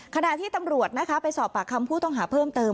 ขณะที่ตำรวจนะคะไปสอบปากคำผู้ต้องหาเพิ่มเติม